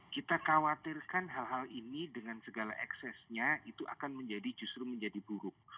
kita khawatirkan hal hal ini dengan segala eksesnya itu akan menjadi justru menjadi buruk